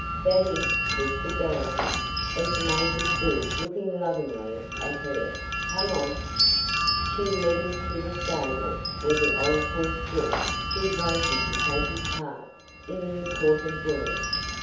"Daddy," whispered Dorothy, as the major stood looking lovingly at her, "come on." She led him to the stable, where the old horse Jeff stood waiting to take his part in the important work.